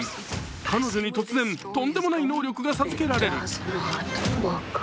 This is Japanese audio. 彼女に突然とんでもない能力が授けられる。